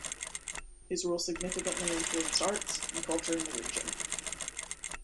His rule significantly influenced arts, and culture in the region.